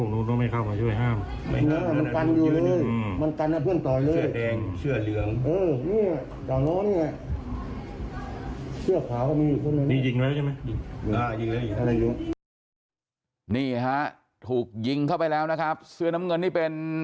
นี่ฮะถูกยิงเข้าไปแล้วนะครับเสื้อน้ำเงินนี่เป็น